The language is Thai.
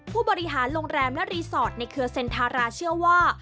ผู้บริหารโรงแรมและรีสอร์ทในเครือเซ็นทาราเชื่อว่า